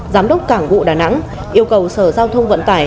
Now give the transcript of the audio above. giám đốc cảng vụ đà nẵng yêu cầu sở giao thông vận tải